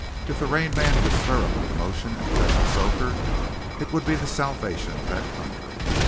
If the rain man could stir up a commotion and fetch a soaker, it would be the salvation of that country.